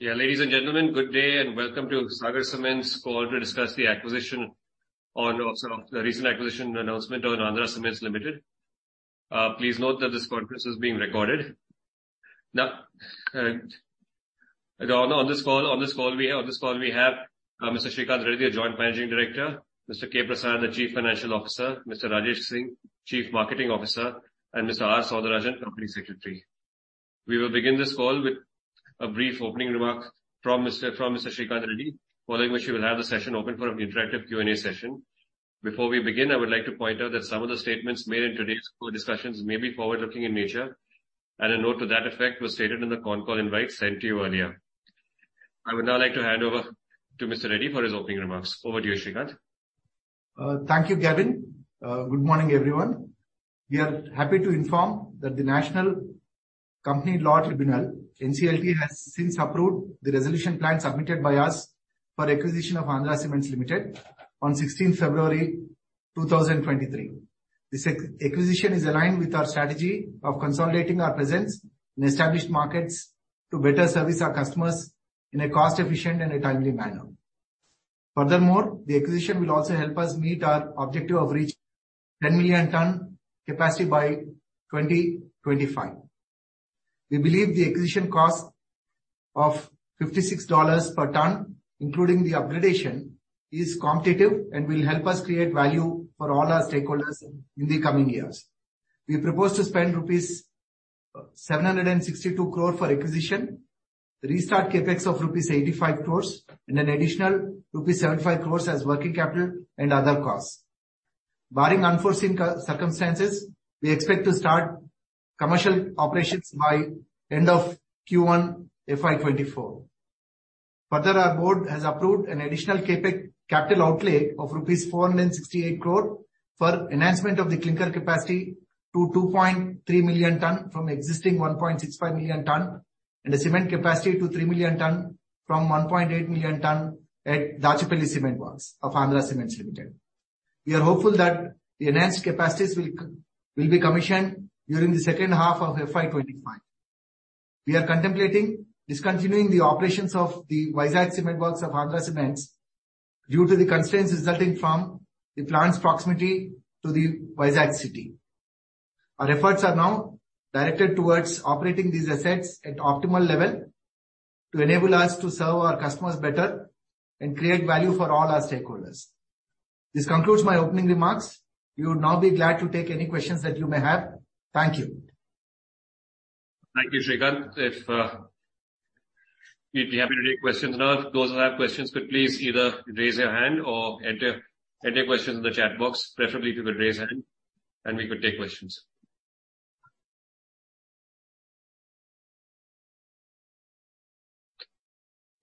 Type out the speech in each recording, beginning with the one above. Ladies and gentlemen, good day and welcome to Sagar Cements call to discuss the acquisition on sort of the recent acquisition announcement on Andhra Cements Limited. Please note that this conference is being recorded. On this call we have Mr. Sreekanth Reddy, our Joint Managing Director, Mr. K. Prasad, the Chief Financial Officer, Mr. Rajesh Singh, Chief Marketing Officer, and Mr. R. Sridharan, Company Secretary. We will begin this call with a brief opening remark from Mr. Sreekanth Reddy, following which we will have the session open for an interactive Q&A session. Before we begin, I would like to point out that some of the statements made in today's call discussions may be forward-looking in nature, and a note to that effect was stated in the CONCALL invite sent to you earlier. I would now like to hand over to Mr. Reddy for his opening remarks. Over to you, Sreekanth. Thank you, Gavin. Good morning, everyone. We are happy to inform that the National Company Law Tribunal, NCLT, has since approved the resolution plan submitted by us for acquisition of Andhra Cements Limited on February 16th, 2023. This acquisition is aligned with our strategy of consolidating our presence in established markets to better service our customers in a cost-efficient and a timely manner. Furthermore, the acquisition will also help us meet our objective of reaching 10 million ton capacity by 2025. We believe the acquisition cost of $56 per ton, including the upgradation, is competitive and will help us create value for all our stakeholders in the coming years. We propose to spend rupees 762 crore for acquisition, restart CapEx of rupees 85 crore and an additional rupees 75 crore as working capital and other costs. Barring unforeseen circumstances, we expect to start commercial operations by end of Q1 FY 2024. Our board has approved an additional CapEx capital outlay of rupees 468 crore for enhancement of the clinker capacity to 2.3 million ton from existing 1.65 million ton, and the cement capacity to 3 million ton from 1.8 million ton at Dachepalli Cement Works of Andhra Cements Limited. We are hopeful that the enhanced capacities will be commissioned during the second half of FY 2025. We are contemplating discontinuing the operations of the Vizag Cement Works of Andhra Cements due to the constraints resulting from the plant's proximity to the Vizag city. Our efforts are now directed towards operating these assets at optimal level to enable us to serve our customers better and create value for all our stakeholders. This concludes my opening remarks. We would now be glad to take any questions that you may have. Thank you. Thank you, Sreekanth. If, we'd be happy to take questions now. Those who have questions could please either raise your hand or enter your questions in the chat box. Preferably if you could raise hand and we could take questions.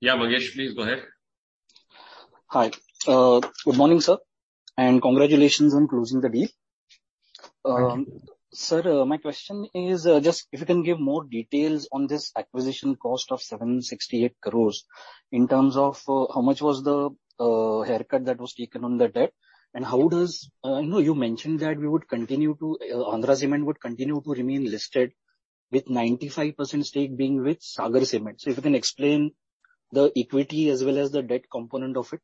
Yeah, Mangesh, please go ahead. Hi. Good morning, sir, and congratulations on closing the deal. Thank you. Sir, my question is, just if you can give more details on this acquisition cost of 768 crore in terms of how much was the haircut that was taken on the debt. I know you mentioned that Andhra Cement would continue to remain listed with 95% stake being with Sagar Cement. So if you can explain the equity as well as the debt component of it.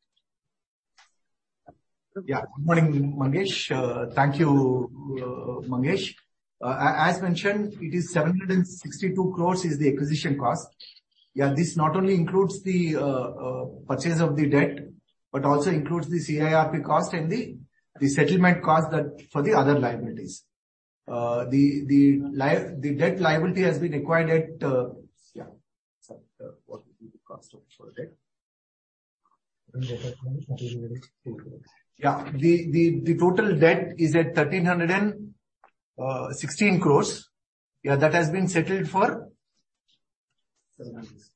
Yeah. Good morning, Mangesh. Thank you, Mangesh. As mentioned, it is 762 crore is the acquisition cost. This not only includes the purchase of the debt, but also includes the CIRP cost and the settlement cost that, for the other liabilities. The debt liability has been acquired at... Sorry, what is the cost of, for debt? The total debt is at 1,316 crore. That has been settled for-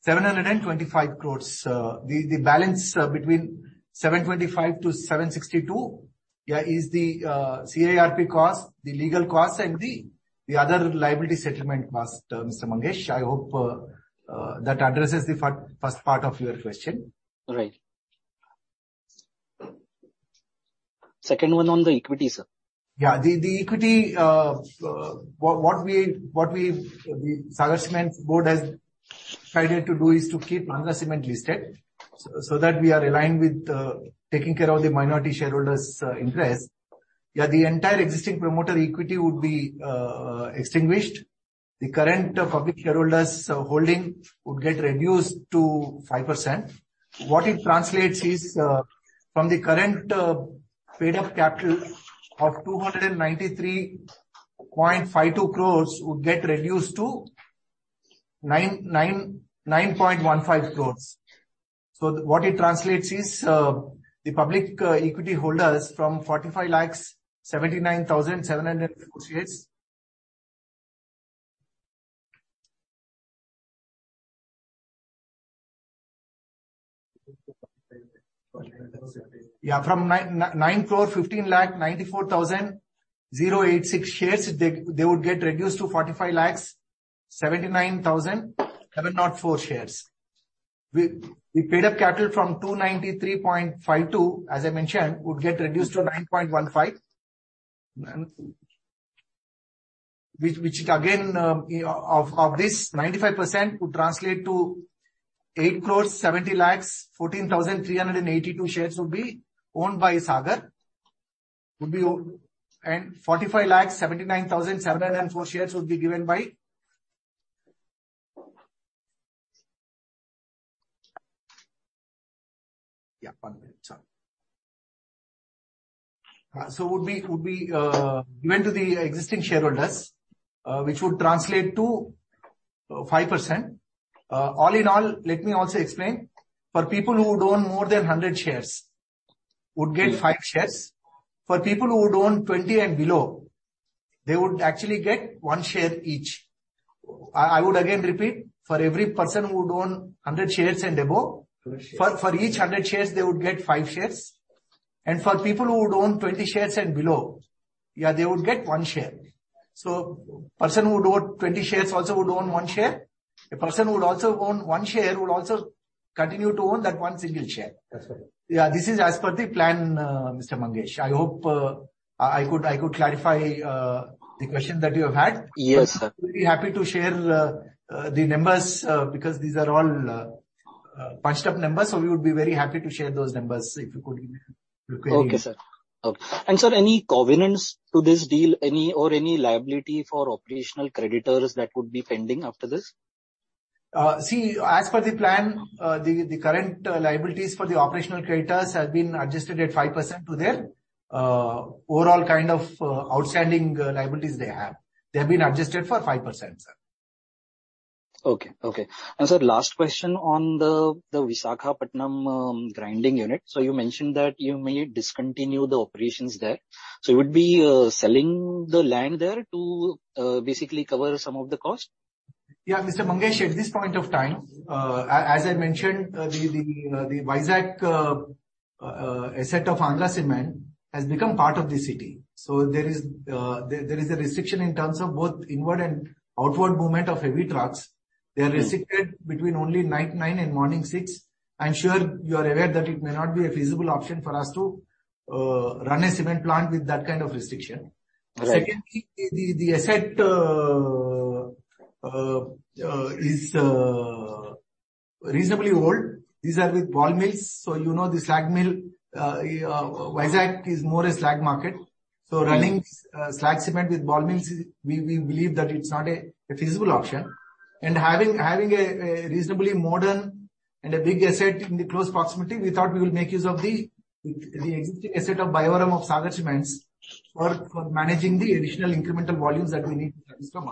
725. 725 crores. The balance, between 725-762, yeah, is the CIRP cost, the legal cost, and the other liability settlement cost, Mr. Mangesh. I hope, that addresses the first part of your question. Right. Second one on the equity, sir. The equity what we, the Sagar Cements board has decided to do is to keep Andhra Cement listed so that we are aligned with taking care of the minority shareholders interest. The entire existing promoter equity would be extinguished. The current public shareholders holding would get reduced to 5%. What it translates is from the current paid-up capital of 293.52 crores would get reduced to 9.15 crores. What it translates is the public equity holders from 45 lakhs, 79,750 shares. From 9 crore, 15 lakh, 94,086 shares, they would get reduced to 45 lakhs, 79,704 shares. We, the paid-up capital from 293.52, as I mentioned, would get reduced to 9.15. Which again, of this 95% would translate to 8 crores 70 lakhs 14,382 shares would be owned by Sagar. 45 lakhs 79,704 shares would be given by... Yeah, 1 minute, sir. Would be given to the existing shareholders, which would translate to 5%. All in all, let me also explain. For people who would own more than 100 shares would get 5 shares. For people who would own 20 and below, they would actually get 1 share each. I would again repeat, for every person who would own 100 shares and above- Per share. For each 100 shares, they would get 5 shares. For people who would own 20 shares and below, yeah, they would get 1 share. Person who would own 20 shares also would own 1 share. A person who would also own 1 share would also continue to own that 1 single share. That's right. Yeah, this is as per the plan, Mr. Mangesh. I hope I could clarify the question that you have had. Yes, sir. We'll be happy to share the numbers because these are all bunched up numbers, so we would be very happy to share those numbers if you could require them. Okay, sir. Sir, any covenants to this deal or any liability for operational creditors that would be pending after this? See, as per the plan, the current liabilities for the operational creditors has been adjusted at 5% to their, overall kind of, outstanding liabilities they have. They have been adjusted for 5%, sir. Okay. Okay. Sir, last question on the Visakhapatnam grinding unit. You mentioned that you may discontinue the operations there. You would be selling the land there to basically cover some of the cost? Yeah. Mr. Mangesh, at this point of time, as I mentioned, the Vizag asset of Ambuja Cement has become part of the city. There is a restriction in terms of both inward and outward movement of heavy trucks. Mm-hmm. They are restricted between only night 9 and morning 6. I'm sure you are aware that it may not be a feasible option for us to run a cement plant with that kind of restriction. Right. Secondly, the asset is reasonably old. These are with ball mills. You know the slag mill, Vizag is more a slag market. Right. Running slag cement with ball mills, we believe that it's not a feasible option. Having a reasonably modern and a big asset in the close proximity, we thought we will make use of the existing asset of Bayyavaram of Sagar Cements for managing the additional incremental volumes that we need to service from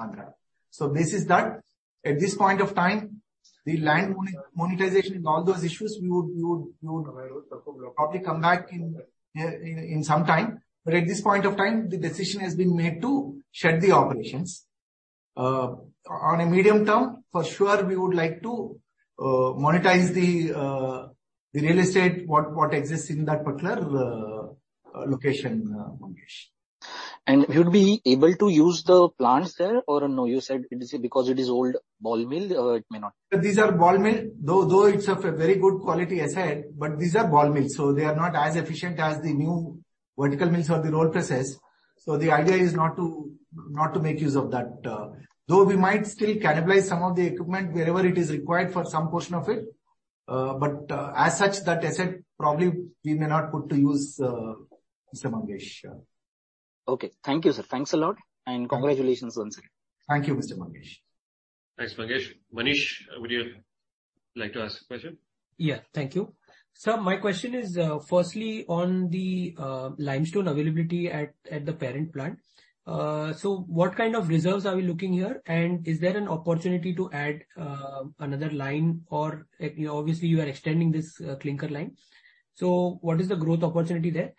Andhra. This is that. At this point of time, the land monetization and all those issues, we would probably come back in some time. At this point of time, the decision has been made to shut the operations. On a medium term, for sure we would like to monetize the real estate, what exists in that particular location, Mangesh. You'd be able to use the plants there or no? You said it is because it is old ball mill, it may not. These are ball mill, though it's of a very good quality asset, but these are ball mills, so they are not as efficient as the new vertical mills or the roll presses. The idea is not to make use of that. Though we might still cannibalize some of the equipment wherever it is required for some portion of it. As such, that asset probably we may not put to use, Mr. Mangesh. Okay. Thank you, sir. Thanks a lot. Okay. Congratulations once again. Thank you, Mr. Mangesh. Thanks, Mangesh. Manish, would you like to ask a question? Yeah. Thank you. Sir, my question is, firstly on the limestone availability at the parent plant. What kind of reserves are we looking here? Is there an opportunity to add another line or, obviously you are extending this clinker line. What is the growth opportunity there?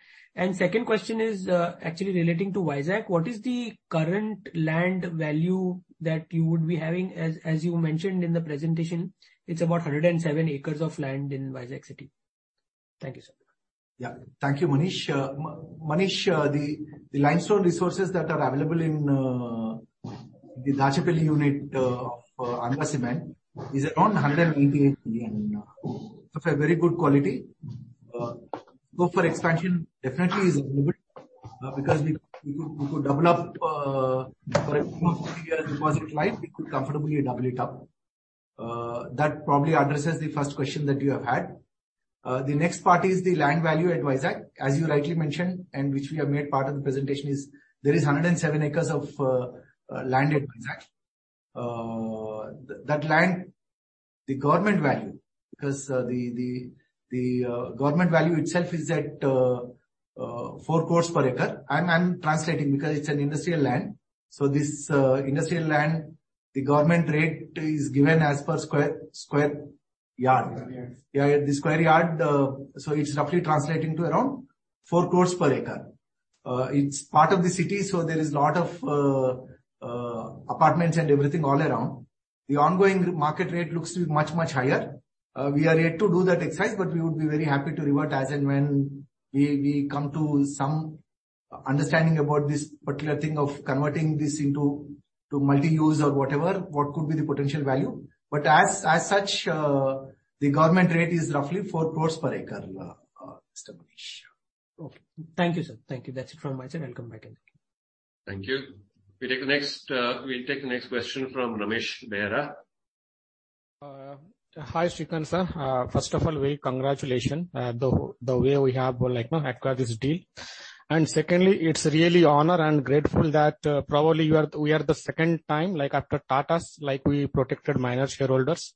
Second question is, actually relating to Vizag. What is the current land value that you would be having? As you mentioned in the presentation, it's about 107 acres of land in Vizag city. Thank you, sir. Yeah. Thank you, Manish. Manish, the limestone resources that are available in the Rajapelly unit of Ambuja Cement is around 180 acres and of a very good quality. For expansion, definitely is available because we could, we could develop for at least one year deposit line, we could comfortably double it up. That probably addresses the first question that you have had. The next part is the land value at Vizag. As you rightly mentioned, and which we have made part of the presentation is there is 107 acres of land at Vizag. That land, the government value, because the, the government value itself is at 4 crore per acre. I'm translating because it's an industrial land. This industrial land, the government rate is given as per square yard. Yard. Yeah, the square yard. It's roughly translating to around 4 crores per acre. It's part of the city, there is lot of apartments and everything all around. The ongoing market rate looks to be much, much higher. We are yet to do that exercise, we would be very happy to revert as and when we come to some understanding about this particular thing of converting this into multi-use or whatever, what could be the potential value. As such, the government rate is roughly 4 crores per acre. Mr. Manish. Okay. Thank you, sir. Thank you. That's it from my side. I'll come back in. Thank you. We take the next, we'll take the next question from Ramesh Behera. Hi, Sreekanth sir. First of all, very congratulation, the way we have, like, you know, acquired this deal. Secondly, it's really honor and grateful that, probably we are the second time, like, after Tatas, like, we protected minor shareholders.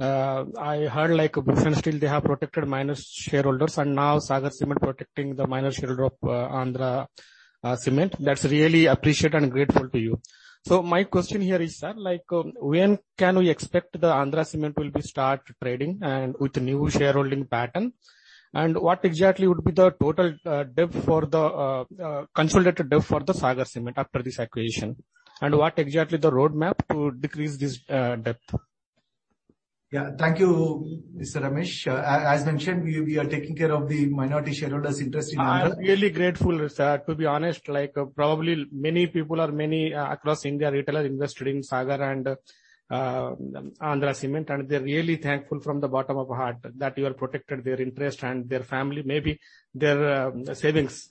I heard, like, Bhushan Steel, they have protected minor shareholders, and now Sagar Cement protecting the minor shareholder of Andhra Cement. That's really appreciate and grateful to you. My question here is, sir, like, when can we expect the Andhra Cement will be start trading and with new shareholding pattern? What exactly would be the total debt for the consolidated debt for the Sagar Cement after this acquisition? What exactly the roadmap to decrease this debt? Yeah. Thank you, Mr. Ramesh. As mentioned, we are taking care of the minority shareholders interest in- Really grateful, sir. To be honest, like, probably many people or many across India retailer invested in Sagar and Andhra Cement, and they're really thankful from the bottom of heart that you have protected their interest and their family, maybe their savings.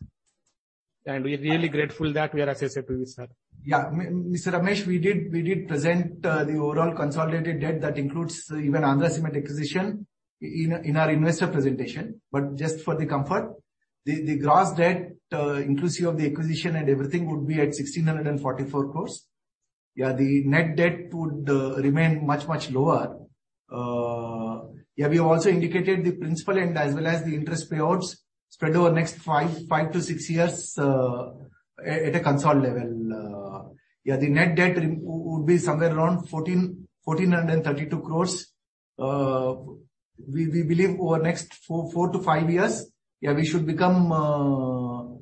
We're really grateful that we are associated with you, sir. Mr. Ramesh, we did present the overall consolidated debt that includes even Andhra Cement acquisition in our investor presentation. Just for the comfort, the gross debt inclusive of the acquisition and everything would be at 1,644 crores. The net debt would remain much, much lower. We have also indicated the principal and as well as the interest payouts spread over next five-six years at a consort level. The net debt would be somewhere around 1,432 crores. We believe over next four-five years, we should become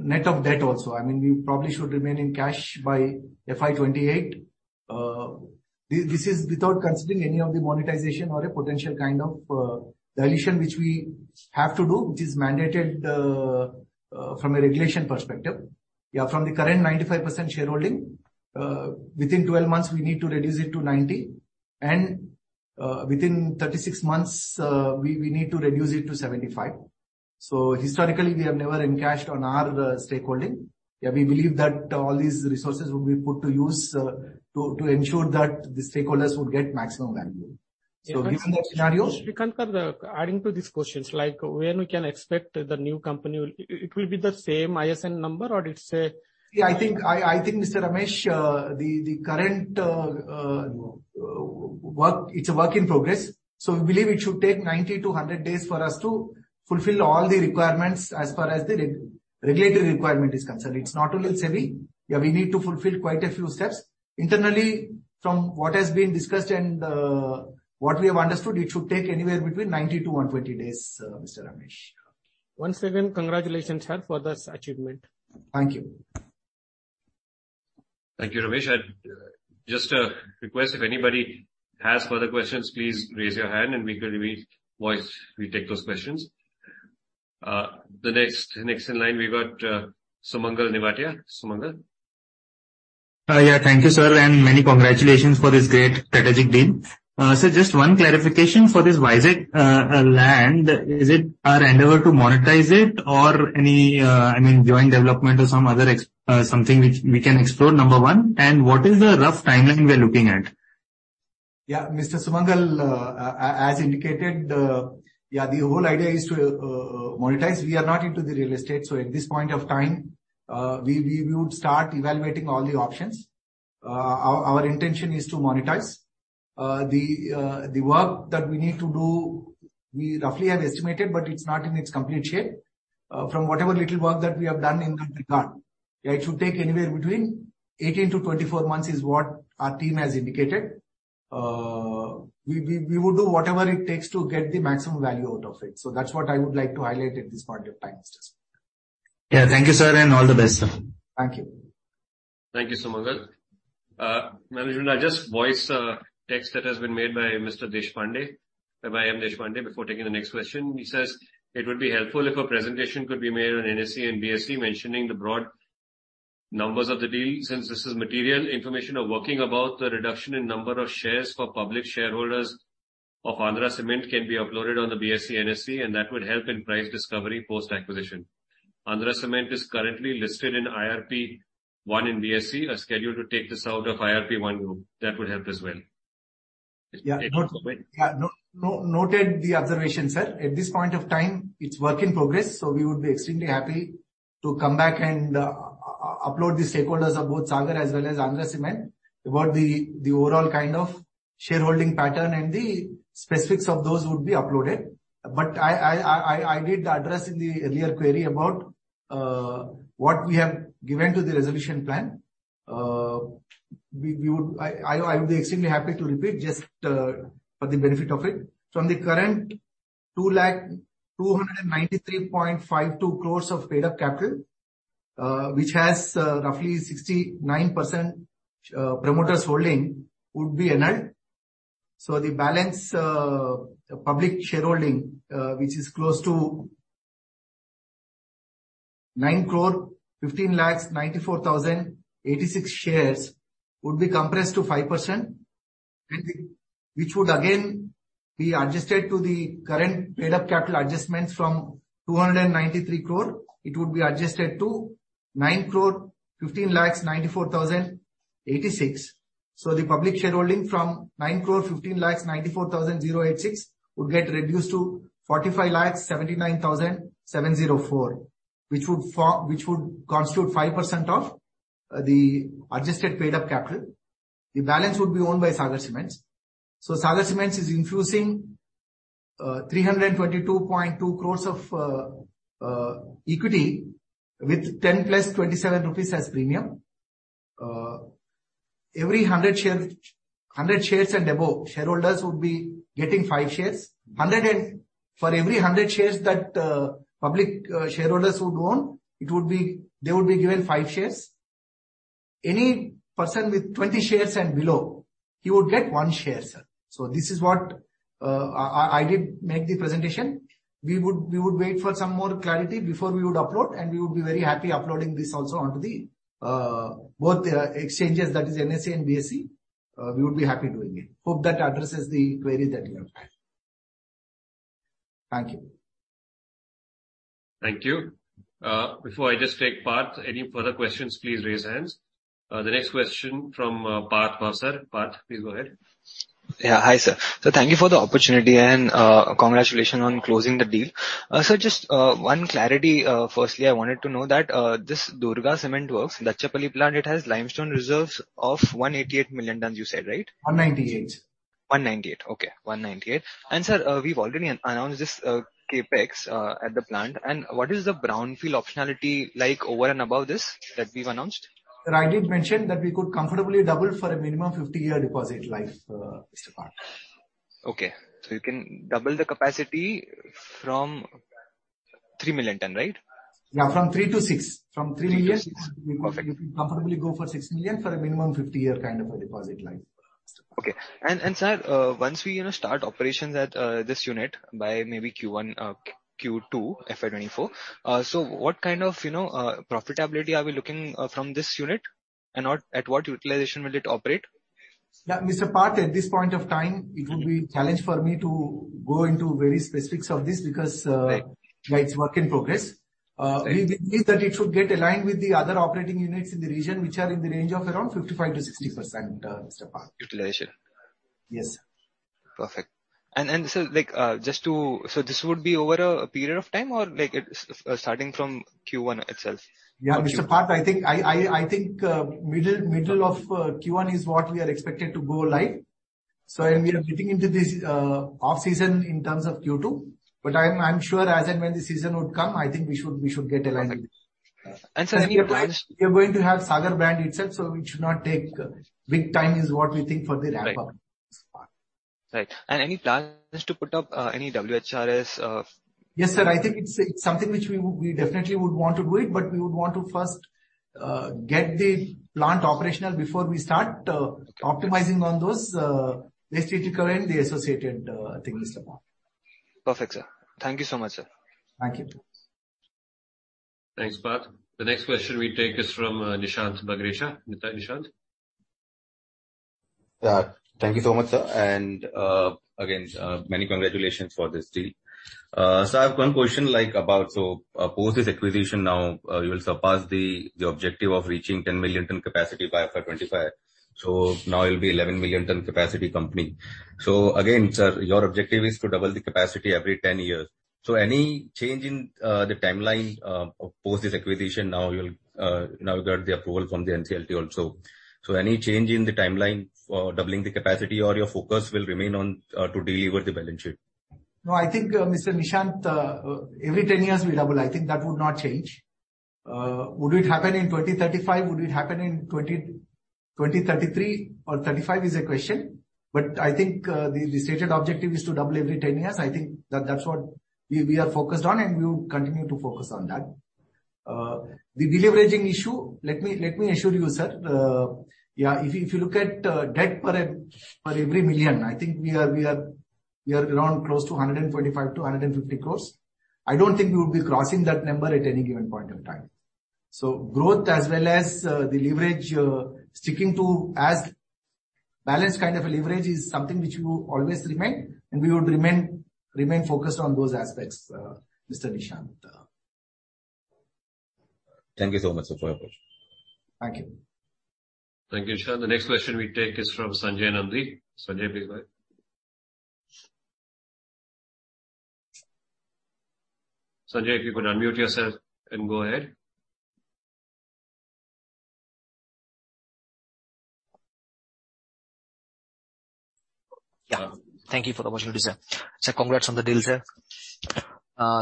net of debt also. I mean, we probably should remain in cash by FY 2028. This is without considering any of the monetization or a potential kind of dilution which we have to do, which is mandated from a regulation perspective. From the current 95% shareholding, within 12 months we need to reduce it to 90%, and within 36 months, we need to reduce it to 75%. Historically, we have never encashed on our stake holding. We believe that all these resources will be put to use to ensure that the stakeholders would get maximum value. Yes. Given that scenario. Sreekanth sir, adding to these questions, like when we can expect the new company will it be the same ISIN number? I think Mr. Ramesh, the current work in progress. We believe it should take 90-100 days for us to fulfill all the requirements as per as the re-regulatory requirement is concerned. It's not only SEBI. We need to fulfill quite a few steps. Internally, from what has been discussed and what we have understood, it should take anywhere between 90-120 days, Mr. Ramesh. Once again, congratulations, sir, for this achievement. Thank you. Thank you, Ramesh. I'd just request if anybody has further questions, please raise your hand and we could maybe voice, we take those questions. The next in line we've got Sumangal Nevatia. Sumangal? Yeah, thank you, sir, and many congratulations for this great strategic deal. Just one clarification for this Vizag land: Is it our endeavor to monetize it or any, I mean, joint development or some other something which we can explore, number one? What is the rough timeline we are looking at? Mr. Sumangal, as indicated, the whole idea is to monetize. We are not into the real estate. At this point of time, we would start evaluating all the options. Our intention is to monetize. The work that we need to do, we roughly have estimated, but it's not in its complete shape. From whatever little work that we have done in that regard, it should take anywhere between 18-24 months is what our team has indicated. We would do whatever it takes to get the maximum value out of it. That's what I would like to highlight at this point of time. Yeah. Thank you, sir, and all the best, sir. Thank you. Thank you, Sumangal. Management, I just voice a text that has been made by Mr. Deshpande, by M. Deshpande, before taking the next question. He says, "It would be helpful if a presentation could be made on NSE and BSE mentioning the broad numbers of the deal since this is material information or working about the reduction in number of shares for public shareholders of Andhra Cement can be uploaded on the BSE, NSE, and that would help in price discovery post-acquisition. Andhra Cement is currently listed in IRP 1 in BSE, scheduled to take this out of IRP 1 group. That would help as well." Yeah. Wait. Yeah. Noted the observation, sir. At this point of time, it's work in progress, so we would be extremely happy to come back and upload the stakeholders of both Sagar as well as Andhra Cements. What the overall kind of shareholding pattern and the specifics of those would be uploaded. I did address in the earlier query about what we have given to the resolution plan. We would. I would be extremely happy to repeat just for the benefit of it. From the current 293.54 crores of paid-up capital, which has roughly 69% promoters holding would be annulled. The balance public shareholding, which is close to 9 crore 15 lakh 94,086 shares would be compressed to 5%, which would again be adjusted to the current paid-up capital adjustments from 293 crore. It would be adjusted to 9 crore 15 lakh 94,086. The public shareholding from 9 crore 15 lakh 94,086 would get reduced to 45 lakh 79,704, which would constitute 5% of the adjusted paid-up capital. The balance would be owned by Sagar Cements. Sagar Cements is infusing 322.2 crore of equity with 10 plus 27 rupees as premium. every 100 shares and above, shareholders would be getting 5 shares. Hundred and... For every 100 shares that public shareholders would own, they would be given 5 shares. Any person with 20 shares and below, he would get 1 share, sir. This is what I did make the presentation. We would wait for some more clarity before we would upload, and we would be very happy uploading this also onto the both exchanges, that is NSE and BSE. We would be happy doing it. Hope that addresses the queries that you have. Thank you. Thank you. Before I just take Parth, any further questions, please raise hands. The next question from Parth Bhavsar. Parth, please go ahead. Yeah. Hi, sir. Thank you for the opportunity and congratulations on closing the deal. Just one clarity. Firstly, I wanted to know that this Durga Cement works, Dachepalli plant, it has limestone reserves of 188 million tons, you said, right? 198. 198. Okay. 198. Sir, we've already announced this CapEx at the plant, and what is the brownfield optionality like over and above this that we've announced? I did mention that we could comfortably double for a minimum 50-year deposit life, Mr. Parth. Okay. You can double the capacity from 3 million ton, right? Yeah, from three to six. From 3 million. Okay. Perfect. We can comfortably go for 6 million for a minimum 50-year kind of a deposit life. Okay. Sir, once we, you know, start operations at this unit by maybe Q1, Q2 FY 2024, what kind of, you know, profitability are we looking from this unit and what, at what utilization will it operate? Now, Mr. Parth, at this point of time, it will be a challenge for me to go into very specifics of this because. Right. Yeah, it's work in progress. We believe that it should get aligned with the other operating units in the region which are in the range of around 55%-60%, Mr. Parth. Utilization. Yes. Perfect. Like, So this would be over a period of time or like it, starting from Q1 itself? Yeah. Mr. Parth, I think middle of Q1 is what we are expected to go live. We are getting into this off-season in terms of Q2, I'm sure as and when the season would come, I think we should get aligned with this. Okay. Sir, any plans- We are going to have Sagar brand itself, so it should not take big time is what we think for the ramp-up. Right. Mr. Parth. Right. Any plans to put up any WHRS? Yes, sir. I think it's something which we definitely would want to do it, but we would want to first get the plant operational before we start optimizing on those waste heat recovery and the associated things, Mr. Parth. Perfect, sir. Thank you so much, sir. Thank you. Thanks, Parth. The next question we take is from Nishant Bagrecha. Thank you so much, sir, and again, many congratulations for this deal. I have one question post this acquisition now, you will surpass the objective of reaching 10 million ton capacity by FY 2025. Now you'll be 11 million ton capacity company. Again, sir, your objective is to double the capacity every 10 years. Any change in the timeline post this acquisition now you got the approval from the NCLT also. Any change in the timeline for doubling the capacity or your focus will remain on to deliver the balance sheet? No, I think, Mr. Nishant, every 10 years we double. I think that would not change. Would it happen in 2035? Would it happen in 2033 or 2035 is a question, but I think the stated objective is to double every 10 years. I think that's what we are focused on, and we will continue to focus on that. The deleveraging issue, let me assure you, sir, if you look at debt per every million, I think we are around close to 145 crores-150 crores. I don't think we would be crossing that number at any given point of time. Growth as well as the leverage sticking to as balanced kind of a leverage is something which we will always remain, and we would remain focused on those aspects, Mr. Nishant. Thank you so much, sir, for your approach. Thank you. Thank you, Nishant. The next question we take is from Sanjay Nandi. Sanjay, please go ahead. Sanjay, if you could unmute yourself and go ahead. Thank you for the opportunity, sir. Sir, congrats on the deal, sir.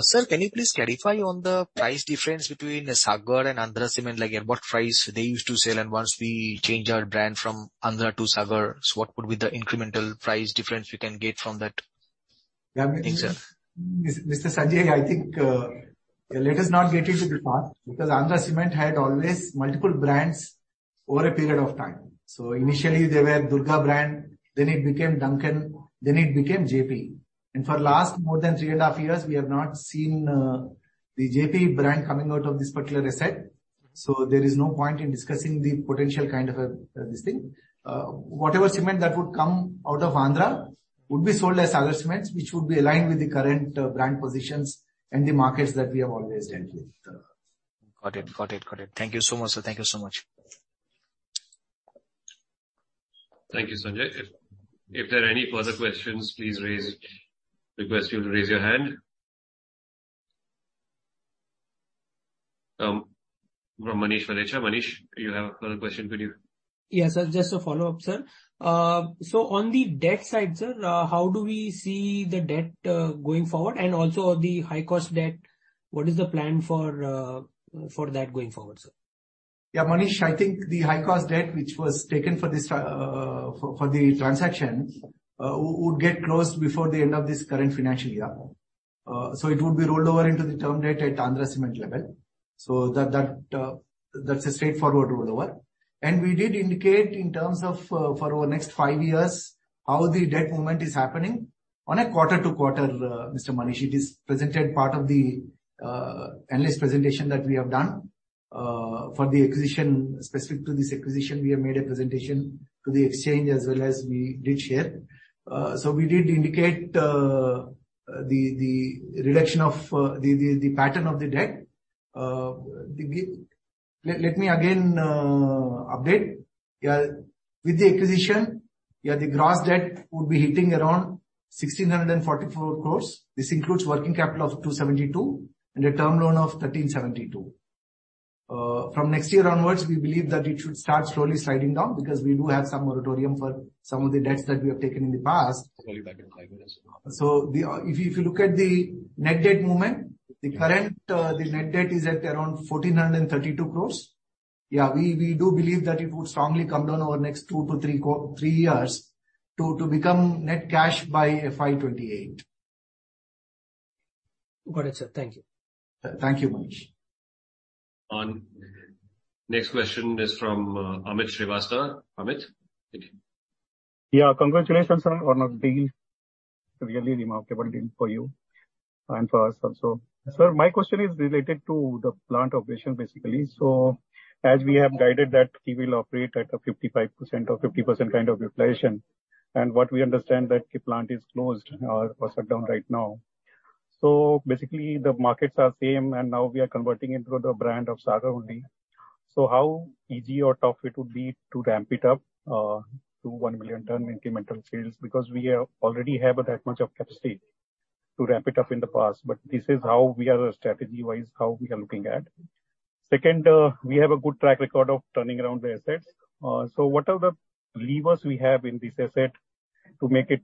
Sir, can you please clarify on the price difference between Sagar and Andhra Cement, like at what price they used to sell, and once we change our brand from Andhra to Sagar, so what would be the incremental price difference we can get from that? Yeah. Thanks, sir. Mr. Sanjay, I think, let us not get into the part because Andhra Cement had always multiple brands over a period of time. Initially they were Durga brand, then it became Duncan, then it became JP. For last more than 3.5 years, we have not seen the JP brand coming out of this particular asset. There is no point in discussing the potential kind of this thing. Whatever cement that would come out of Andhra would be sold as other cements which would be aligned with the current brand positions and the markets that we have always dealt with. Got it. Got it. Got it. Thank you so much, sir. Thank you so much. Thank you, Sanjay. If there are any further questions, request you to raise your hand. From Manish Valecha. Manish, you have a further question, could you? Yes, sir. Just a follow-up, sir. On the debt side, sir, how do we see the debt going forward and also the high cost debt, what is the plan for that going forward, sir? Yeah, Manish, I think the high cost debt which was taken for this for the transaction would get closed before the end of this current financial year. It would be rolled over into the term debt at Andhra Cement level. That's a straightforward rollover. We did indicate in terms of for our next five years how the debt movement is happening on a quarter-to-quarter, Mr. Manish. It is presented part of the analyst presentation that we have done for the acquisition. Specific to this acquisition, we have made a presentation to the exchange as well as we did share. We did indicate the reduction of the pattern of the debt. Let me again update. With the acquisition, yeah, the gross debt would be hitting around 1,644 crores. This includes working capital of 272 and a term loan of 1,372. From next year onwards, we believe that it should start slowly sliding down because we do have some moratorium for some of the debts that we have taken in the past. I'll call you back in five minutes. If you look at the net debt movement, the current net debt is at around 1,432 crores. We do believe that it would strongly come down over the next two-three years to become net cash by FY 2028. Got it, sir. Thank you. Thank you, Manish. Next question is from Amit Srivastava. Amit? Yeah, congratulations on the deal. Really remarkable deal for you and for us also. Sir, my question is related to the plant operation, basically. As we have guided that we will operate at a 55% or 50% kind of utilization, and what we understand that the plant is closed or shut down right now. Basically the markets are same, and now we are converting into the brand of Sagar only. How easy or tough it would be to ramp it up to 1 million ton incremental sales? Because we already have that much of capacity to ramp it up in the past, but this is how we are strategy-wise, how we are looking at. Second, we have a good track record of turning around the assets. What are the levers we have in this asset to make it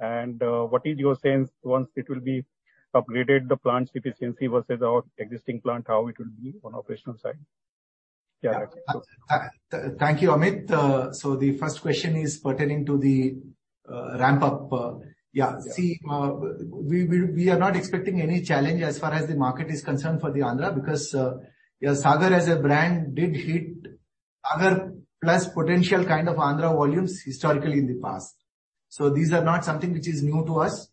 efficiency-wise? What is your sense once it will be upgraded, the plant's efficiency versus our existing plant, how it will be on operational side? Thank you, Amit. The first question is pertaining to the ramp up. Yeah. See, we are not expecting any challenge as far as the market is concerned for the Andhra, because Sagar as a brand did hit Sagar plus potential kind of Andhra volumes historically in the past. These are not something which is new to us.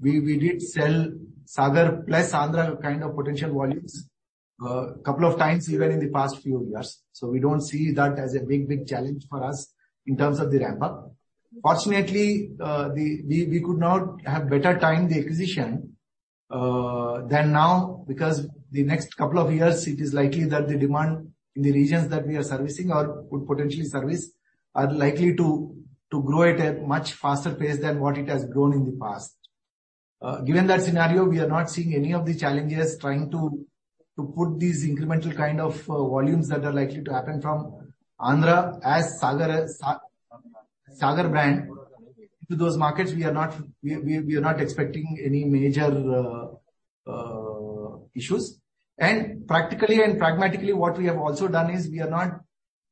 We did sell Sagar plus Andhra kind of potential volumes couple of times even in the past few years. We don't see that as a big challenge for us in terms of the ramp up. Fortunately, we could not have better timed the acquisition than now, because the next couple of years it is likely that the demand in the regions that we are servicing or would potentially service are likely to grow at a much faster pace than what it has grown in the past. Given that scenario, we are not seeing any of the challenges trying to put these incremental kind of volumes that are likely to happen from Andhra as Sagar brand into those markets. We are not expecting any major issues. Practically and pragmatically, what we have also done is we are not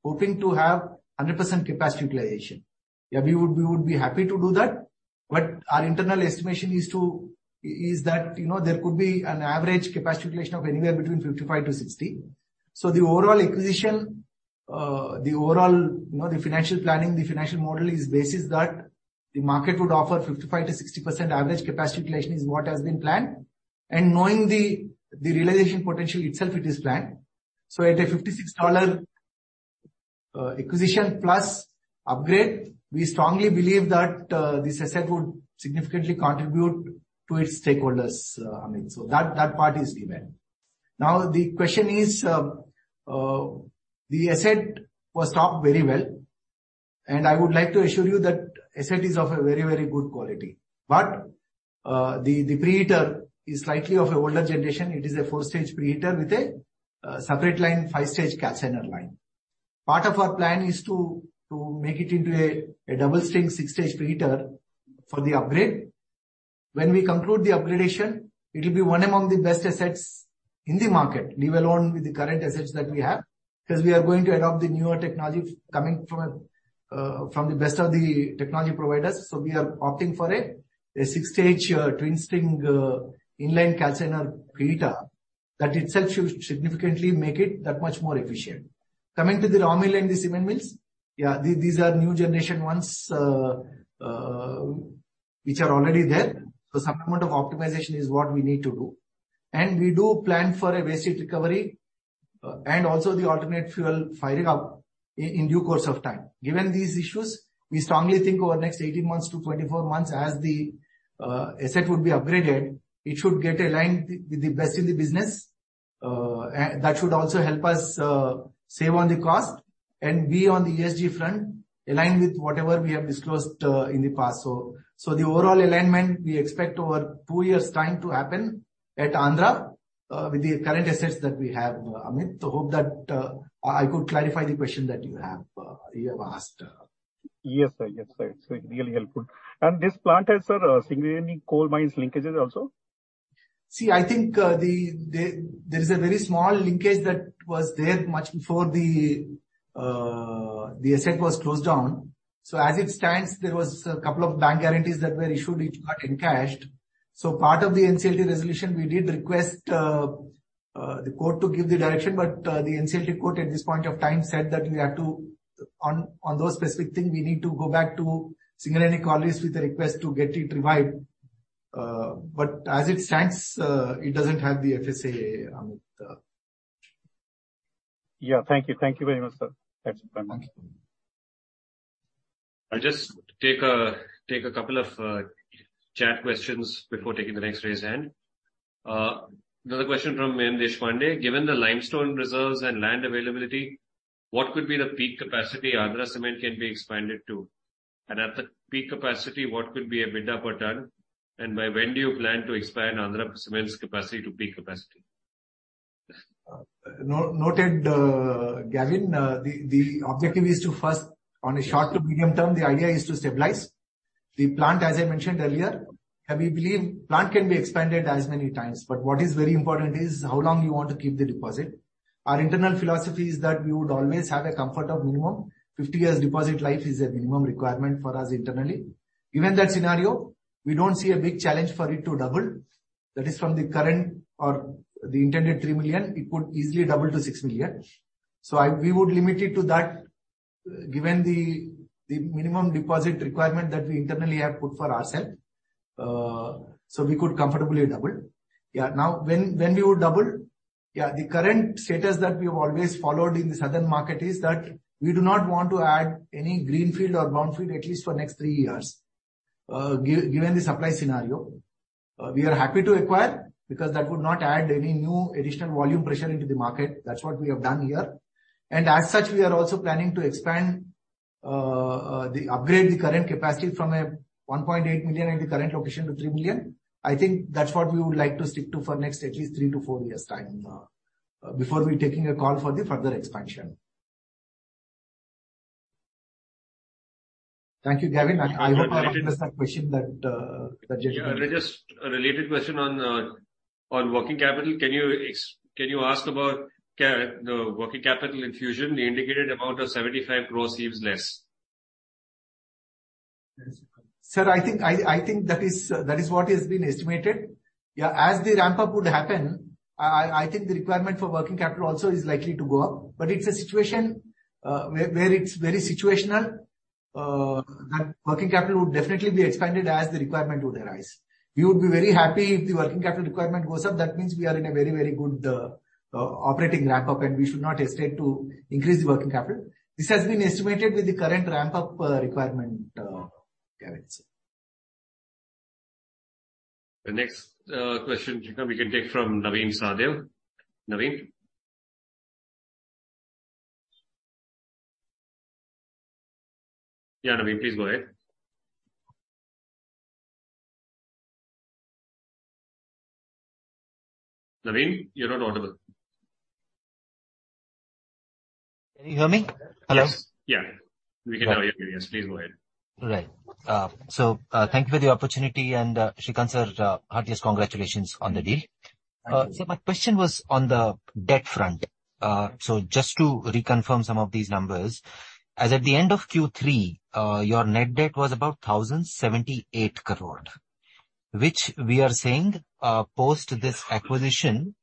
hoping to have 100% capacity utilization. We would, we would be happy to do that, but our internal estimation is that, you know, there could be an average capacity utilization of anywhere between 55%-60%. The overall acquisition, the overall, you know, the financial planning, the financial model is based that the market would offer 55%-60% average capacity utilization is what has been planned. Knowing the realization potential itself, it is planned. At a $56 acquisition plus upgrade, we strongly believe that this asset would significantly contribute to its stakeholders, Amit. That part is given. Now, the question is, the asset was stopped very well, and I would like to assure you that asset is of a very good quality. The preheater is slightly of a older generation. It is a 4-stage preheater with a separate line 5-stage calciner line. Part of our plan is to make it into a double string 6-stage preheater for the upgrade. When we conclude the upgradation, it will be one among the best assets in the market, leave alone with the current assets that we have, because we are going to adopt the newer technology coming from the best of the technology providers, so we are opting for a six-stage, twin string, inline calciner preheater that itself should significantly make it that much more efficient. Coming to the raw mill and the cement mills, yeah, these are new generation ones, which are already there. Some amount of optimization is what we need to do. We do plan for a waste heat recovery, and also the alternate fuel firing up in due course of time. Given these issues, we strongly think over next 18 months to 24 months as the asset would be upgraded, it should get aligned with the best in the business. That should also help us save on the cost and we on the ESG front align with whatever we have disclosed in the past. The overall alignment we expect over two years' time to happen at Andhra with the current assets that we have, Amit. Hope that I could clarify the question that you have asked. Yes, sir. Yes, sir. It's really helpful. This plant has, sir, Singareni coal mines linkages also? See, I think, there is a very small linkage that was there much before the asset was closed down. As it stands, there was a couple of bank guarantees that were issued which got encashed. Part of the NCLT resolution, we did request the court to give the direction. The NCLT court at this point of time said that we have to, on those specific thing, we need to go back to Singareni Collieries with a request to get it revived. As it stands, it doesn't have the FSA, Amit. Yeah. Thank you. Thank you very much, sir. That's it. Thank you. Okay. I'll just take a couple of chat questions before taking the next raised hand. Another question from Mayank Deshpande. Given the limestone reserves and land availability, what could be the peak capacity Andhra Cement can be expanded to? At the peak capacity, what could be EBITDA per ton? By when do you plan to expand Andhra Cement's capacity to peak capacity? Noted, Gavin. The objective is to first, on a short to medium term, the idea is to stabilize. The plant, as I mentioned earlier, we believe plant can be expanded as many times, but what is very important is how long you want to keep the deposit. Our internal philosophy is that we would always have a comfort of minimum. 50 years deposit life is a minimum requirement for us internally. Given that scenario, we don't see a big challenge for it to double. That is from the current or the intended 3 million, it could easily double to 6 million. We would limit it to that, given the minimum deposit requirement that we internally have put for ourself. We could comfortably double. Yeah. Now, when we would double? Yeah, the current status that we have always followed in the southern market is that we do not want to add any greenfield or brownfield at least for next 3 years, given the supply scenario. We are happy to acquire because that would not add any new additional volume pressure into the market. That's what we have done here. As such, we are also planning to expand, Upgrade the current capacity from a 1.8 million at the current location to 3 million. I think that's what we would like to stick to for next at least 3-4 years' time, before we're taking a call for the further expansion. Thank you, Gavin. I hope I understood the question that you. Yeah. Just a related question on working capital. Can you ask about the working capital infusion? The indicated amount of 75 crores seems less. Sir, I think that is what has been estimated. Yeah, as the ramp-up would happen, I think the requirement for working capital also is likely to go up. It's a situation where it's very situational. That working capital would definitely be expanded as the requirement would arise. We would be very happy if the working capital requirement goes up. That means we are in a very, very good operating ramp-up, and we should not hesitate to increase the working capital. This has been estimated with the current ramp-up requirement, Gavin. The next question, Sreekanth, we can take from Naveen Sahadev. Naveen? Yeah, Naveen, please go ahead. Naveen, you're not audible. Can you hear me? Hello? Yes. Yeah. We can hear you. Yes, please go ahead. Thank you for the opportunity, Sreekanth, Sir, heartiest congratulations on the deal. Thank you. My question was on the debt front. Just to reconfirm some of these numbers. As at the end of Q3, your net debt was about 1,078 crore, which we are saying, post this acquisition,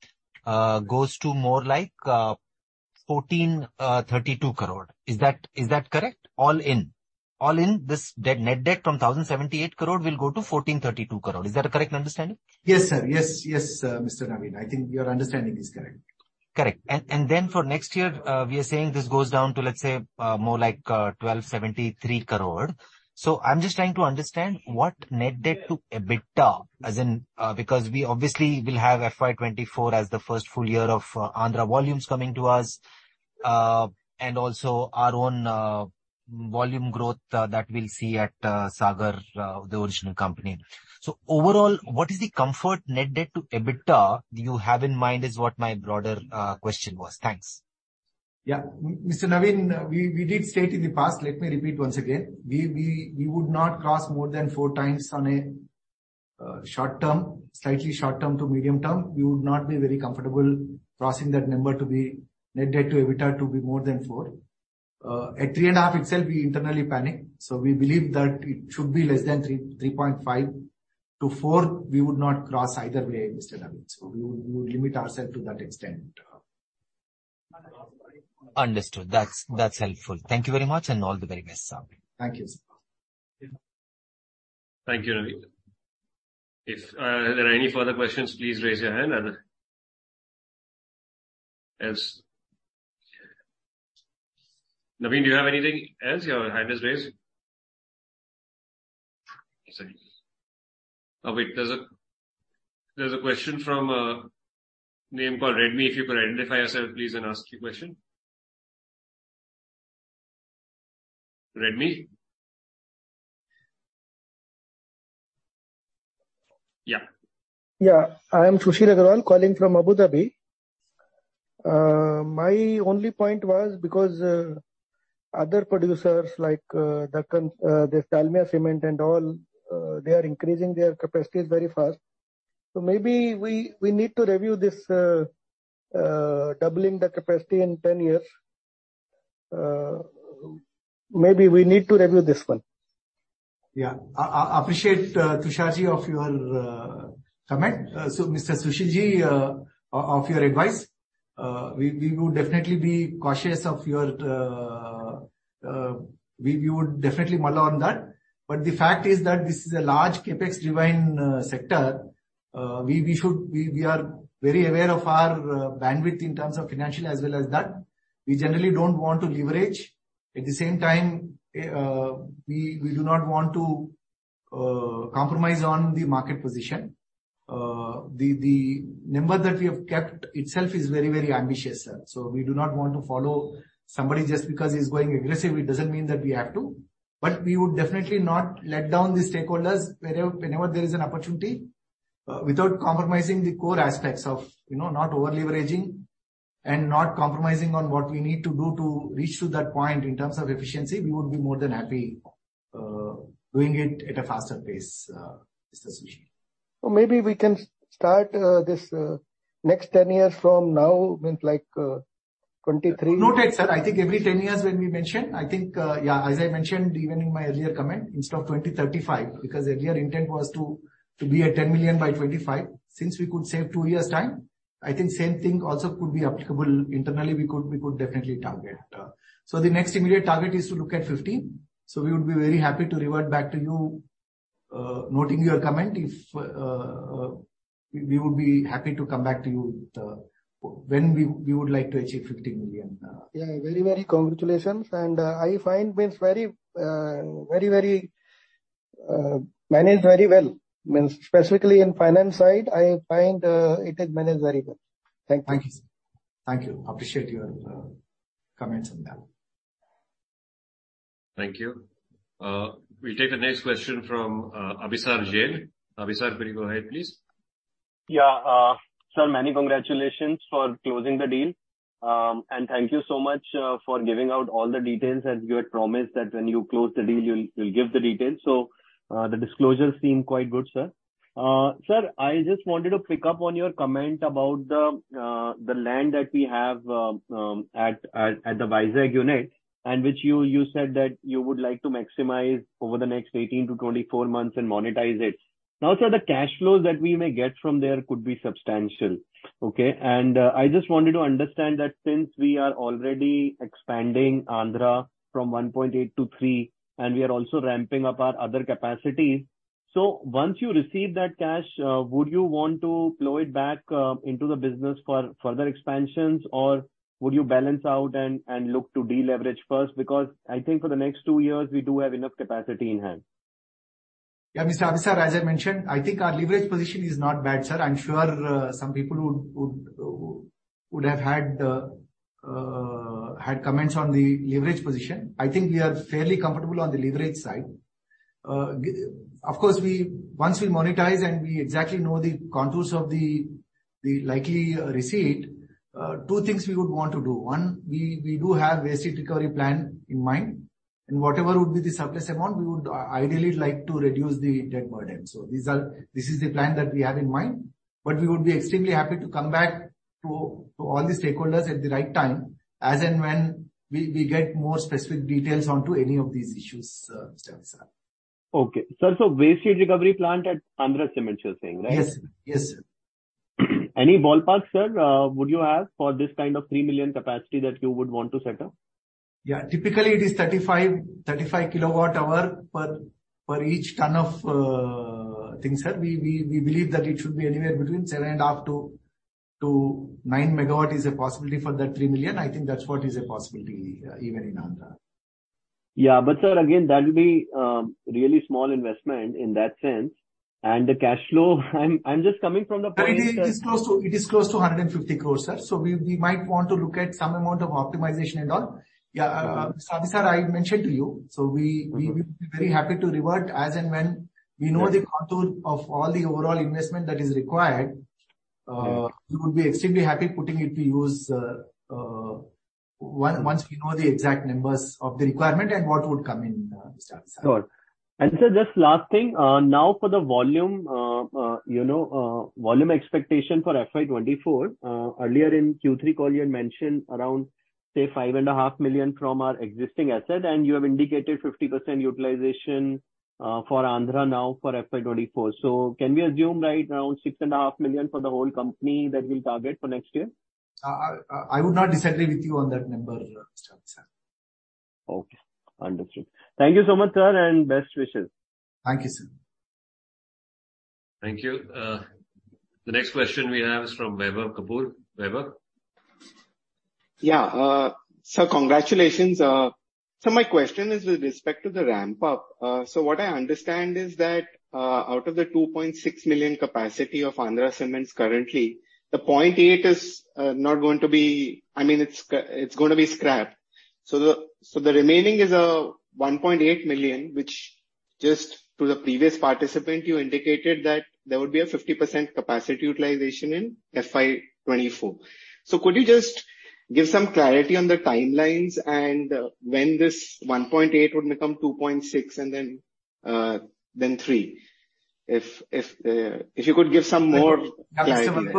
goes to more like 1,432 crore. Is that correct? All in, this debt, net debt from 1,078 crore will go to 1,432 crore. Is that a correct understanding? Yes, sir. Yes, Mr. Naveen. I think your understanding is correct. Correct. Then for next year, we are saying this goes down to, let's say, more like, 1,273 crore. I'm just trying to understand what net debt to EBITDA, as in, because we obviously will have FY 2024 as the first full year of Andhra volumes coming to us, and also our own volume growth that we'll see at Sagar, the original company. Overall, what is the comfort net debt to EBITDA you have in mind, is what my broader question was. Thanks. Mr. Naveen, we did state in the past, let me repeat once again. We would not cross more than 4 times on a short term, slightly short term to medium term. We would not be very comfortable crossing that number to be net debt to EBITDA to be more than 4. At 3.5 itself we internally panic. We believe that it should be less than 3.5. To 4, we would not cross either way, Mr. Naveen. We would limit ourself to that extent. Understood. That's helpful. Thank you very much and all the very best, sir. Thank you, sir. Thank you, Naveen. If there are any further questions, please raise your hand. Naveen, do you have anything else? Your hand is raised. One second. Oh, wait, there's a question from a name called Redmi. If you could identify yourself, please, and ask your question. Redmi? Yeah. Yeah. I am Sushil Agarwal calling from Abu Dhabi. My only point was because other producers like the Shalimar Cement and all, they are increasing their capacities very fast. Maybe we need to review this doubling the capacity in 10 years. Maybe we need to review this one. Yeah. Appreciate Sushil of your comment. Mr. Sushil, of your advice. We would definitely be cautious of your. We would definitely mull on that. The fact is that this is a large CapEx-driven sector. We are very aware of our bandwidth in terms of financially as well as that. We generally don't want to leverage. At the same time, we do not want to compromise on the market position. The number that we have kept itself is very, very ambitious, sir. We do not want to follow somebody just because he's going aggressive. It doesn't mean that we have to. We would definitely not let down the stakeholders wherever... whenever there is an opportunity, without compromising the core aspects of, you know, not over-leveraging and not compromising on what we need to do to reach to that point in terms of efficiency. We would be more than happy doing it at a faster pace, Mr. Sushil. maybe we can start, this, next 10 years from now, means like, 23-. Noted, sir. I think every 10 years when we mentioned, I think, yeah, as I mentioned even in my earlier comment, instead of 2035, because earlier intent was to be at 10 million by 2025. Since we could save 2 years' time, I think same thing also could be applicable internally, we could definitely target. The next immediate target is to look at 50. We would be very happy to revert back to you, noting your comment. If, we would be happy to come back to you with, when we would like to achieve 50 million. Yeah. Very, very congratulations. I find Means very, very, very managed very well. Means specifically in finance side, I find, it is managed very well. Thank you. Thank you, sir. Thank you. Appreciate your comments on that. Thank you. We'll take the next question from Abhisar Jain. Abhisar, you may go ahead, please. Sir, many congratulations for closing the deal. Thank you so much for giving out all the details as you had promised that when you close the deal, you'll give the details. The disclosures seem quite good, sir. Sir, I just wanted to pick up on your comment about the land that we have at the Vizag unit, and which you said that you would like to maximize over the next 18-24 months and monetize it. Now, sir, the cash flows that we may get from there could be substantial, okay? I just wanted to understand that since we are already expanding Andhra from 1.8 to 3, and we are also ramping up our other capacities. Once you receive that cash, would you want to plow it back into the business for further expansions, or would you balance out and look to deleverage first? I think for the next 2 years, we do have enough capacity in hand. Yeah, Mr. Abhisar, as I mentioned, I think our leverage position is not bad, sir. I'm sure some people would have had comments on the leverage position. I think we are fairly comfortable on the leverage side. Of course, we once we monetize and we exactly know the contours of the likely receipt, two things we would want to do. One, we do have a waste recovery plan in mind, and whatever would be the surplus amount, we would ideally like to reduce the debt burden. This is the plan that we have in mind. We would be extremely happy to come back to all the stakeholders at the right time as and when we get more specific details onto any of these issues, Mr. Abhisar. Okay. Sir, waste recovery plant at Andhra Cement you're saying, right? Yes. Yes, sir. Any ballpark, sir, would you have for this kind of 3 million capacity that you would want to set up? Yeah. Typically it is 35 kWh per each ton of thing, sir. We believe that it should be anywhere between 7.5 to 9 MW is a possibility for that 3 million. I think that's what is a possibility even in Andhra. Yeah. Sir, again, that will be, really small investment in that sense. The cash flow I'm just coming from the point, sir. It is close to 150 crores, sir. We might want to look at some amount of optimization and all. Yeah. Mr. Abhisar, I mentioned to you. We will be very happy to revert as and when we know the contour of all the overall investment that is required. We would be extremely happy putting it to use once we know the exact numbers of the requirement and what would come in, Mr. Abhisar. Got it. Sir, just last thing, now for the volume, you know, volume expectation for FY 2024, earlier in Q3 call you had mentioned around, say, 5.5 million from our existing asset, and you have indicated 50% utilization for Andhra now for FY 2024. Can we assume right around 6.5 million for the whole company that we'll target for next year? I would not disagree with you on that number, Mr. Abhisar. Okay. Understood. Thank you so much, sir, and best wishes. Thank you, sir. Thank you. The next question we have is from Vaibhav Kapoor. Vaibhav? Congratulations. My question is with respect to the ramp up. What I understand is that out of the 2.6 million capacity of Andhra Cements currently, the 0.8 is not going to be... I mean, it's gonna be scrapped. The remaining is 1.8 million, which just to the previous participant, you indicated that there would be a 50% capacity utilization in FY 2024. Could you just give some clarity on the timelines and when this 1.8 would become 2.6 and then 3? If you could give some more clarity.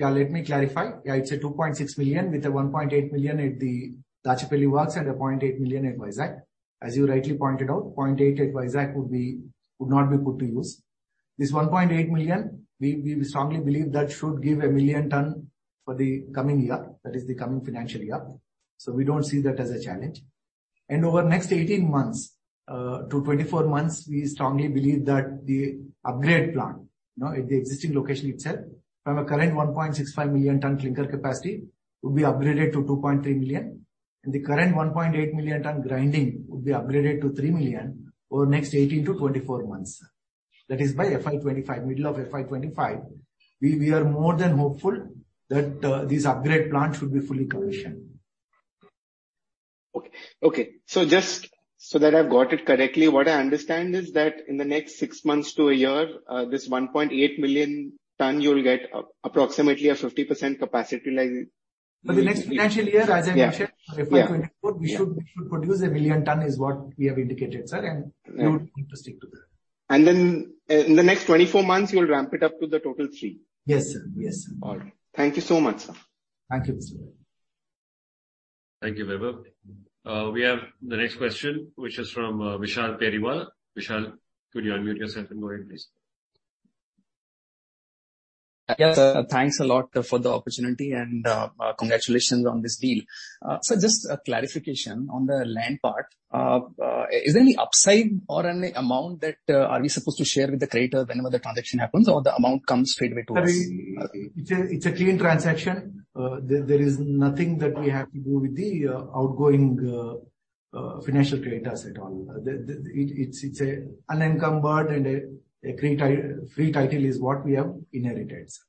Yeah. Let me clarify. It's a 2.6 million with a 1.8 million at the Tachapally works and a 0.8 million at Vizag. As you rightly pointed out, 0.8 at Vizag would not be put to use. This 1.8 million, we strongly believe that should give 1 million ton for the coming year, that is the coming financial year. We don't see that as a challenge. Over next 18-24 months, we strongly believe that the upgrade plan, you know, at the existing location itself, from a current 1.65 million ton clinker capacity will be upgraded to 2.3 million, and the current 1.8 million ton grinding will be upgraded to 3 million over the next 18-24 months. That is by FY 2025, middle of FY 2025. We are more than hopeful that these upgrade plants will be fully commissioned. Okay. Okay. Just so that I've got it correctly, what I understand is that in the next six months to a year, this 1.8 million tons, you'll get approximately a 50% capacity. For the next financial year, as I mentioned. Yeah. For FY 2024 Yeah. We should produce 1 million ton is what we have indicated, sir. Yeah. We would want to stick to that. Then in the next 24 months you'll ramp it up to the total 3? Yes, sir. Yes, sir. All right. Thank you so much, sir. Thank you, Mr. Vaibhav. Thank you, Vaibhav. We have the next question, which is from, Vishal Periwal. Vishal, could you unmute yourself and go ahead, please? Yes. Thanks a lot for the opportunity and congratulations on this deal. Just a clarification on the land part. Is there any upside or any amount that are we supposed to share with the creator whenever the transaction happens or the amount comes straight away to us? Sorry. It's a clean transaction. There is nothing that we have to do with the outgoing financial creditors at all. It's a unencumbered and a free title is what we have inherited, sir.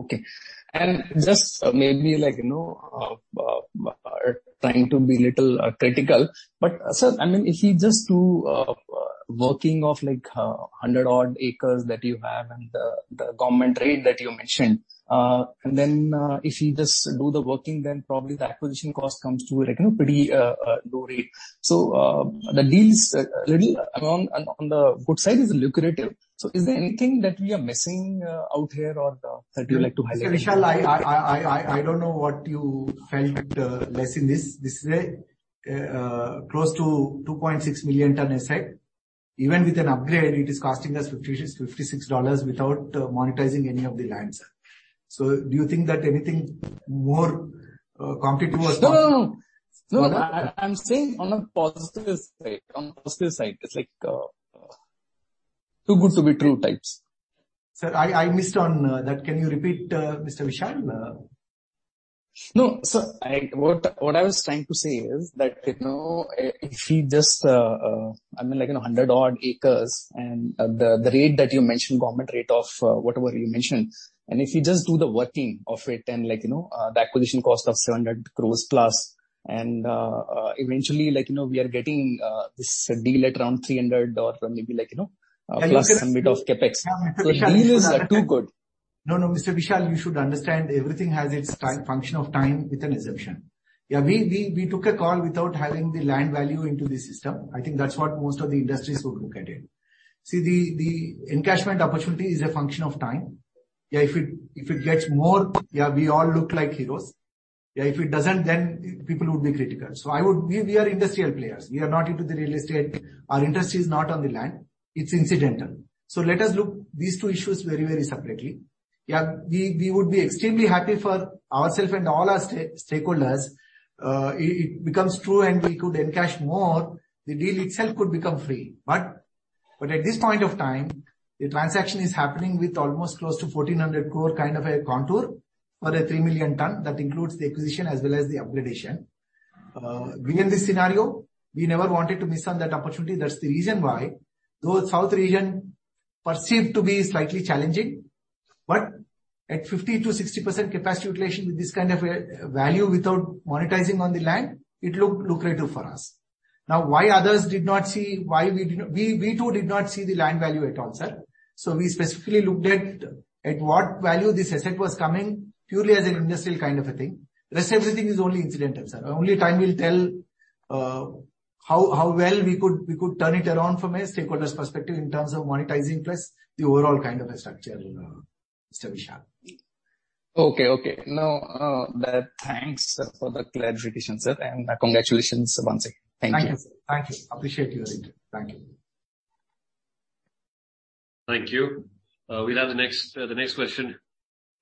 Okay. Just maybe like, you know, trying to be a little critical. Sir, I mean, if you just do working of like 100 odd acres that you have and the government rate that you mentioned, and then, if you just do the working, then probably the acquisition cost comes to like, you know, pretty low rate. The deal is little amount on the good side is lucrative. Is there anything that we are missing out here or that you'd like to highlight? Vishal, I don't know what you felt less in this way. Close to 2.6 million ton asset, even with an upgrade, it is costing us $56 without monetizing any of the land, sir. Do you think that anything more competent was done? No, I'm saying on a positive side. It's like, too good to be true types. Sir, I missed on that. Can you repeat, Mr. Vishal? No. I... What I was trying to say is that, you know, if you just, I mean, like, you know, 100 odd acres and the rate that you mentioned, government rate of whatever you mentioned, and if you just do the working of it, then like, you know, the acquisition cost of 700 crores plus and eventually, like, you know, we are getting this deal at around 300 or maybe like, you know, plus some bit of CapEx. Yeah, Mr. Vishal. deal is too good. No, no, Mr. Vishal, you should understand everything has its time, function of time with an assumption. Yeah. We took a call without having the land value into the system. I think that's what most of the industries would look at it. See, the encashment opportunity is a function of time. Yeah. If it gets more, yeah, we all look like heroes. Yeah. If it doesn't, then people would be critical. We are industrial players. We are not into the real estate. Our industry is not on the land. It's incidental. Let us look these two issues very, very separately. Yeah. We would be extremely happy for ourself and all our stakeholders, it becomes true and we could encash more, the deal itself could become free. At this point of time, the transaction is happening with almost close to 1,400 crore kind of a contour for a 3 million ton. That includes the acquisition as well as the upgradation. Being in this scenario, we never wanted to miss on that opportunity. That's the reason why, though South region perceived to be slightly challenging, but at 50%-60% capacity utilization with this kind of value without monetizing on the land, it looked lucrative for us. Now, why others did not see, why We too did not see the land value at all, sir. So we specifically looked at what value this asset was coming purely as an industrial kind of a thing. Rest everything is only incidental, sir. Only time will tell, how well we could turn it around from a stakeholder's perspective in terms of monetizing plus the overall kind of a structure, Mr. Vishal. Okay, okay. No, that thanks for the clarification, sir, and congratulations once again. Thank you. Thank you, sir. Thank you. Appreciate your input. Thank you. Thank you. We'll have the next question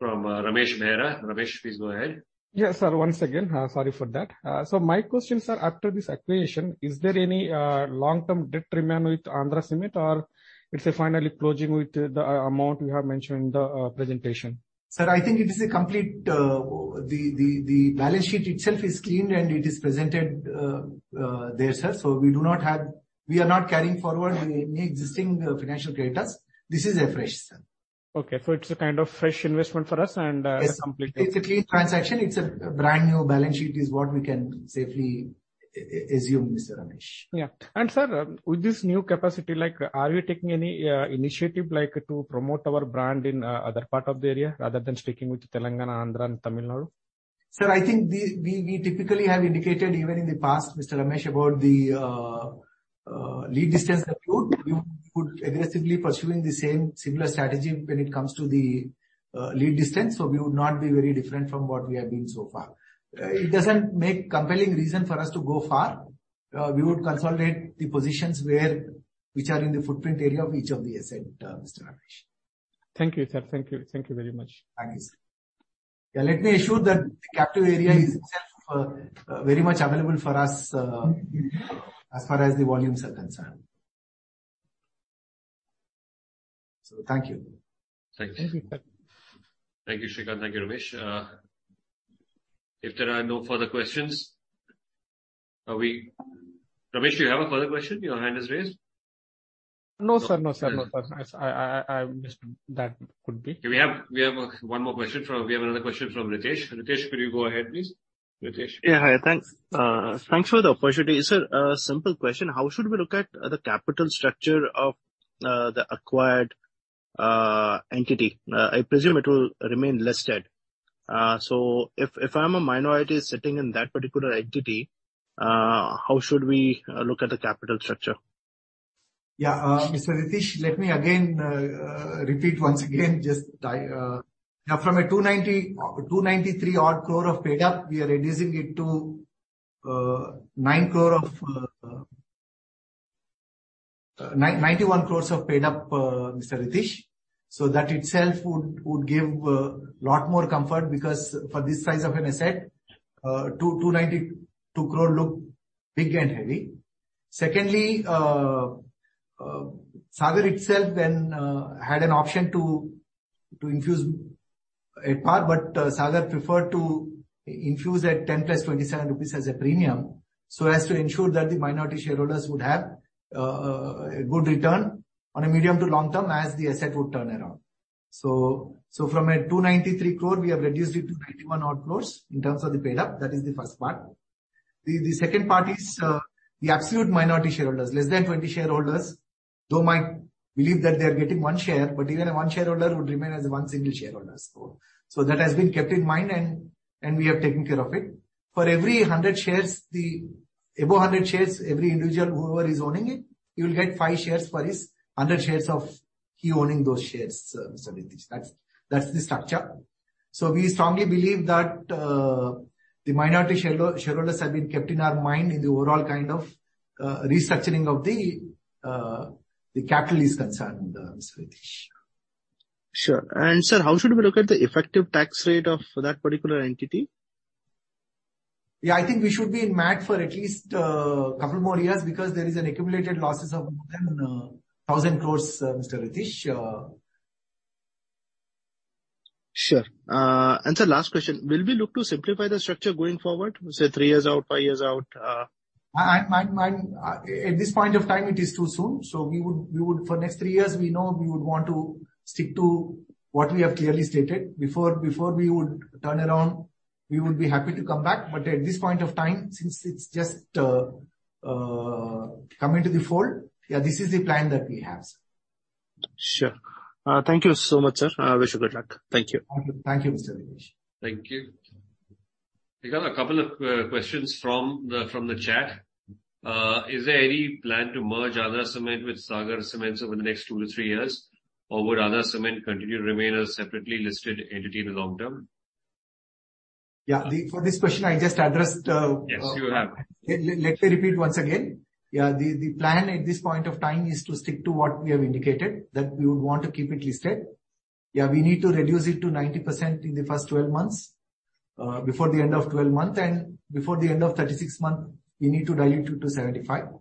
from Ramesh Mehra. Ramesh, please go ahead. Yes, sir. Once again, sorry for that. My question, sir, after this acquisition, is there any long-term debt remain with Andhra Cement, or it's finally closing with the amount you have mentioned in the presentation? Sir, I think it is a complete, the balance sheet itself is cleaned and it is presented there, sir. We are not carrying forward any existing financial creditors. This is afresh, sir. Okay. It's a kind of fresh investment for us and. It's a clean transaction. It's a brand-new balance sheet is what we can safely assume, Mr. Ramesh. Yeah. Sir, with this new capacity, like, are you taking any initiative like to promote our brand in other part of the area rather than sticking with Telangana, Andhra and Tamil Nadu? Sir, I think we typically have indicated even in the past, Mr. Ramesh, about the lead distance approach. We would aggressively pursuing the same similar strategy when it comes to the lead distance. We would not be very different from what we have been so far. It doesn't make compelling reason for us to go far. We would consolidate the positions where, which are in the footprint area of each of the asset, Mr. Ramesh. Thank you, sir. Thank you. Thank you very much. Thank you, sir. Yeah, let me assure that the captive area is itself, very much available for us, as far as the volumes are concerned. Thank you. Thank you. Thank you, Sreekanth. Thank you, Ramesh. If there are no further questions, Ramesh, do you have a further question? Your hand is raised. No, sir. No, sir. No, sir. I missed that could be. We have one more question from, we have another question from Ritesh. Ritesh, could you go ahead, please? Ritesh. Yeah, hi. Thanks. Thanks for the opportunity. Sir, a simple question. How should we look at the capital structure of the acquired entity? I presume it will remain listed. If I'm a minority sitting in that particular entity, how should we look at the capital structure? Yeah. Mr. Ritesh, let me again repeat once again. Yeah, from a 290, 293 odd crore of paid up, we are reducing it to 9 crore of 91 crores of paid up, Mr. Ritesh. That itself would give lot more comfort because for this size of an asset, 292 crore look big and heavy. Secondly, Sagar itself then had an option to infuse a part, but Sagar preferred to infuse at 10 plus 27 rupees as a premium so as to ensure that the minority shareholders would have a good return on a medium to long term as the asset would turn around. From a 293 crore, we have reduced it to 91 odd crores in terms of the paid up. That is the first part. The second part is the absolute minority shareholders, less than 20 shareholders, though might believe that they are getting 1 share, but even a 1 shareholder would remain as 1 single shareholder. That has been kept in mind, and we have taken care of it. For every 100 shares, the above 100 shares, every individual whoever is owning it, he will get 5 shares for his 100 shares of he owning those shares, Mr. Ritesh. That's the structure. We strongly believe that the minority shareholders have been kept in our mind in the overall kind of restructuring of the capital is concerned, Mr. Ritesh. Sure. Sir, how should we look at the effective tax rate of that particular entity? I think we should be in MAT for at least couple more years because there is an accumulated losses of more than 1,000 crores, Mr. Ritesh. Sure. Sir, last question. Will we look to simplify the structure going forward, say, three years out, five years out? I, my, at this point of time, it is too soon. We would for next three years, we know we would want to stick to what we have clearly stated. Before we would turn around, we would be happy to come back. At this point of time, since it's just coming to the fold, yeah, this is the plan that we have. Sure. Thank you so much, sir. I wish you good luck. Thank you. Thank you, Mr. Ritesh. Thank you. We got a couple of questions from the chat. Is there any plan to merge Andhra Cement with Sagar Cements over the next two to three years? Or would Andhra Cement continue to remain a separately listed entity in the long term? Yeah. The, for this question, I just addressed. Yes, you have. Let me repeat once again. Yeah. The plan at this point of time is to stick to what we have indicated, that we would want to keep it listed. Yeah, we need to reduce it to 90% in the first 12 months, before the end of 12 month. Before the end of 36 month, we need to dilute it to 75%.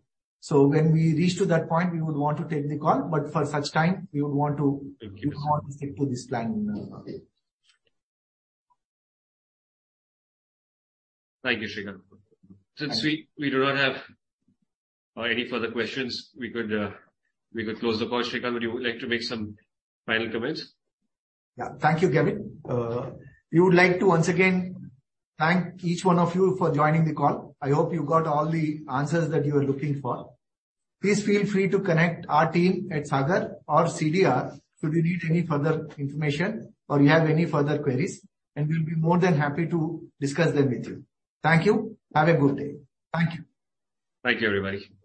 When we reach to that point, we would want to take the call, but for such time, we would want to. Thank you. We would want to stick to this plan. Thank you, Sreekanth. Since we do not have any further questions, we could close the call. Sreekanth, would you like to make some final comments? Yeah. Thank you, Gavin. We would like to once again thank each one of you for joining the call. I hope you got all the answers that you were looking for. Please feel free to connect our team at Sagar or CDR should you need any further information or you have any further queries, and we'll be more than happy to discuss them with you. Thank you. Have a good day. Thank you. Thank you, everybody. Thank you.